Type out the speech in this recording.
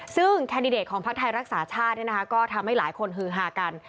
ซึ่งแคนดิเดตของพักไทยรักษาชาติก็ทำให้หลายคนฮือฮากัน